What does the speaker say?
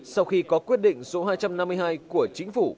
sau khi có quyết định số hai trăm năm mươi hai của chính phủ